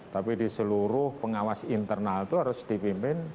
tapi di seluruh pengawas internal itu harus dipimpin